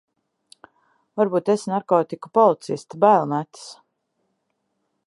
Varbūt esi narkotiku policiste, bail metas.